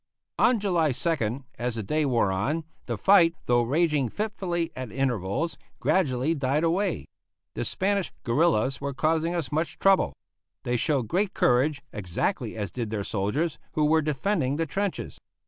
On July 2nd, as the day wore on, the fight, though raging fitfully at intervals, gradually died away. The Spanish guerillas were causing us much trouble. They showed great courage, exactly as did their soldiers who were defending the trenches.